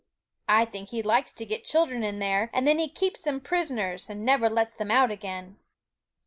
I think he likes to get children in there, and then he keeps them prisoners, and never lets them out again.'